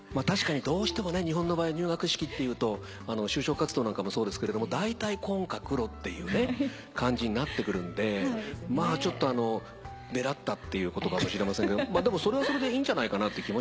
確かにどうしてもね日本の場合入学式っていうと就職活動なんかもそうですけどだいたい紺か黒っていうね感じになってくるんでまあちょっと目立ったということかもしれませんけどそれはそれでいいんじゃないかなって